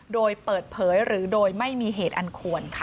โดยเปิดเผยหรือโดยไม่มีเหตุอันควรค่ะ